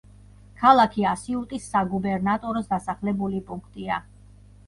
ქალაქი ასიუტის საგუბერნატოროს დასახლებული პუნქტია.